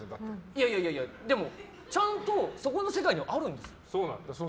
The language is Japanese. でもちゃんとそこの世界にはあるんですよ。